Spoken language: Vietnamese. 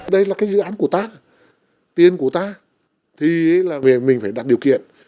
đây là cái dự án của ta tiền của ta thì mình phải đặt điều kiện